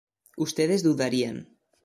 ustedes dudarían